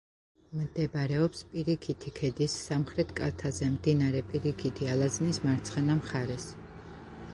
მდებარეობს პირიქითი ქედის სამხრეთ კალთაზე, მდინარე პირიქითი ალაზნის მარცხენა მხარეს.